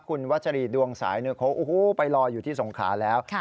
คุณวัชรีดวงสายเนื้อโค้กไปรออยู่ที่สงขาแล้ว